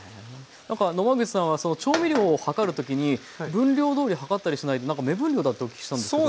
野間口さんは調味料を量るときに分量どおり量ったりしないなんか目分量だってお聞きしたんですけど。